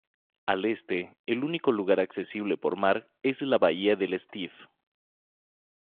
Al Este el único lugar accesible por mar es la bahía del Stiff.